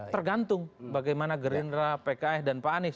tergantung bagaimana gerindra pks dan pak anies